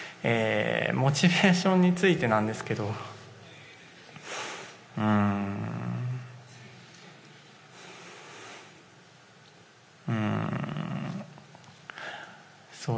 モチベーションについてなんですけど、うーん。